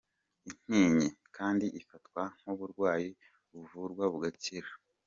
Intinyi kandi ifatwa nk’uburwayi buvurwa bugakira.